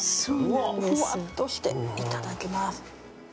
ふわっとしていただきます。